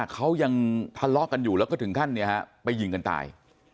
เขายังทะเลาะกันอยู่แล้วก็ถึงขั้นไปยิงกันตาย